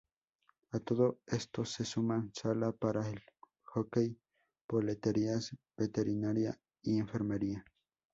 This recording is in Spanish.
A todo estos se suman sala para el jockey, boleterías, veterinaria y enfermería.